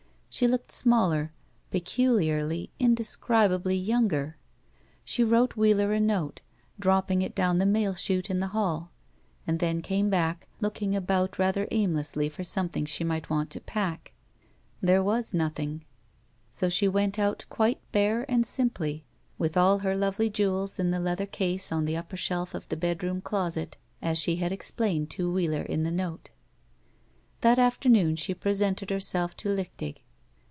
She looked smaller, peculiarly, indescribably yoimger. She wrote Wheeler a note, dropping it down the mail chute in the hall, and then came back, looking about rather aimlessly for something she might want to pack. There was nothing; so 103 BACK PAY she went out qtiite bare and simply, with all her lovely jewels in the leather case on the upper shelf of the bedroom closet, as she had explained to Wheeler in the note. That afternoon she presented herself to Lichtig.